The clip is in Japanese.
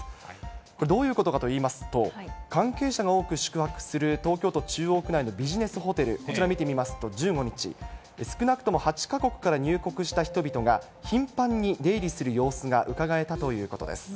これどういうことかといいますと、関係者が多く宿泊する東京都中央区内のビジネスホテル、こちら見てみますと、１５日、少なくとも８か国から入国した人々が、頻繁に出入りする様子がうかがえたということです。